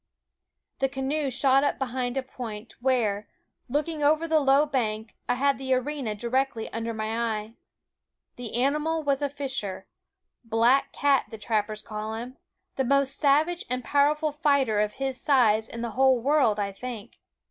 The canoe shot up behind a point, where, looking over the low bank, I had the arena directly under my eye. The animal was a fisher black cat the trappers call him the most savage and powerful fighter of his size in the whole world, I think.